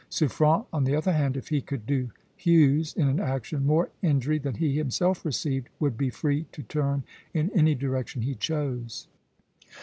Suffren, on the other hand, if he could do Hughes, in an action, more injury than he himself received, would be free to turn in any direction he chose.